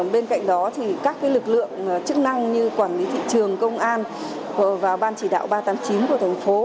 bên cạnh đó thì các lực lượng chức năng như quản lý thị trường công an và ban chỉ đạo ba trăm tám mươi chín của thành phố